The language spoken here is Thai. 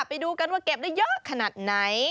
ไปดูกันว่าเก็บได้เยอะขนาดไหน